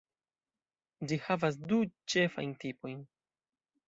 Ĝi havas du ĉefajn tipojn.